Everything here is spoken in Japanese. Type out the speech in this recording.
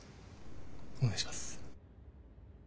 お願いします。